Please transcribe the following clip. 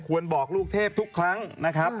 บอกลูกเทพทุกครั้งนะครับ